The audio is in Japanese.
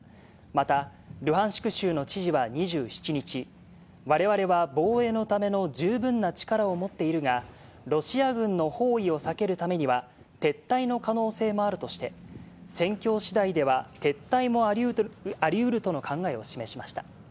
また、ルハンシク州の知事は２７日、われわれは防衛のための十分な力を持っているが、ロシア軍の包囲を避けるためには、撤退の可能性もあるとして、戦況しだいでは、撤退もありうるとの考えを示しました。